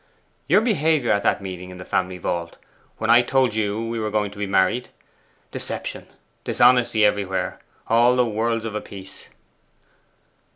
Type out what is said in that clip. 'Your behaviour at that meeting in the family vault, when I told you we were going to be married. Deception, dishonesty, everywhere; all the world's of a piece!